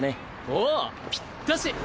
おうぴったし！